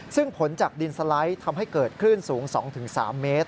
ซึ่งผลจากดินสไลด์ทำให้เกิดคลื่นสูง๒๓เมตร